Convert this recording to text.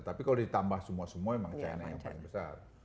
tapi kalau ditambah semua semua memang china yang paling besar